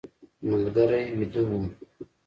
ملګري ویده و.